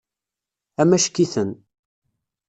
Amack-iten.